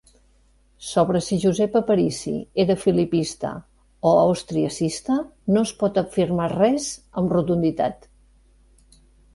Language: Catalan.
Sobre si Josep Aparici era filipista o austriacista no es pot afirmar res amb rotunditat.